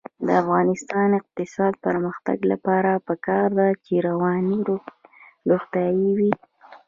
د افغانستان د اقتصادي پرمختګ لپاره پکار ده چې رواني روغتیا وي.